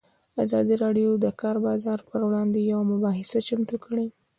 ازادي راډیو د د کار بازار پر وړاندې یوه مباحثه چمتو کړې.